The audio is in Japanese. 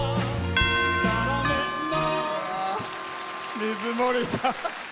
水森さん。